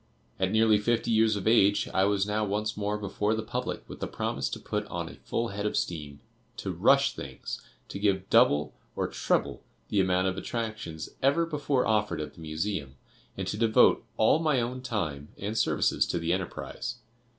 At nearly fifty years of age, I was now once more before the public with the promise to put on a full head of steam, to "rush things," to give double or treble the amount of attractions ever before offered at the Museum, and to devote all my own time and services to the enterprise.